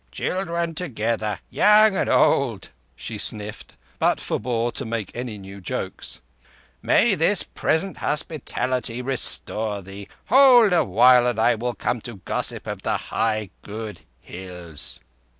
"Children together—young and old," she sniffed, but forbore to make any new jokes. "May this present hospitality restore ye! Hold awhile and I will come to gossip of the high good Hills."